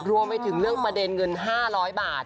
รวมไปถึงเรื่องประเด็นเงิน๕๐๐บาท